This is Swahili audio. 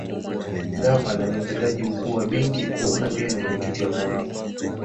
Gavana ni Mtendaji Mkuu wa Benki Kuu na pia ni mwenyekiti wa Bodi